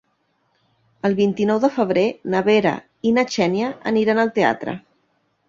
El vint-i-nou de febrer na Vera i na Xènia aniran al teatre.